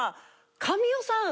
神尾さん